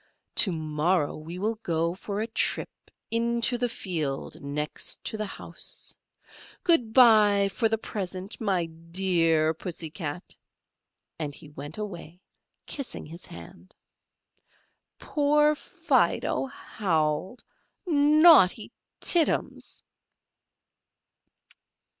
To morrow we will go for a trip into the field next to the house. Good by for the present, my dear Pussy Cat;" and he went away kissing his hand. Poor Fido howled. Naughty Tittums!